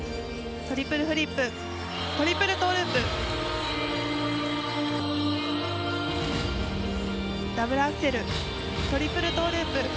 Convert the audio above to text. トリプルフリップトリプルトウループ。